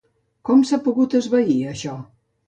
Com s’ha pogut esvair, això?